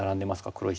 黒石。